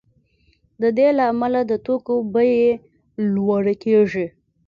د دې له امله د توکو بیې لوړې کیږي